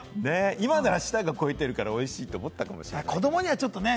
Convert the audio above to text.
今では舌が肥てるからおいしいと思ったかもしれない。